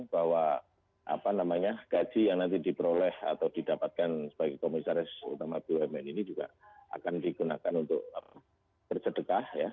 bahwa gaji yang nanti diperoleh atau didapatkan sebagai komisaris utama bumn ini juga akan digunakan untuk bersedekah ya